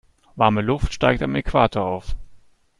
Warme Luft steigt am Äquator auf.